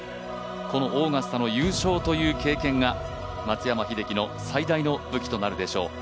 このオーガスタの優勝という経験が松山英樹の最大の武器となるでしょう。